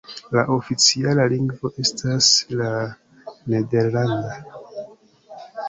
La oficiala lingvo estas la nederlanda.